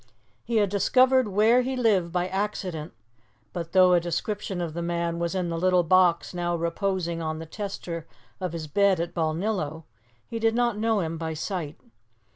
He had discovered where he lived by accident, but though a description of the man was in the little box now reposing on the tester of his bed at Balnillo, he did not know him by sight.